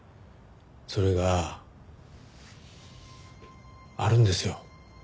それがあるんですよ。